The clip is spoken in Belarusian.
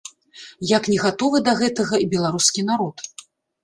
Як не гатовы да гэтага і беларускі народ.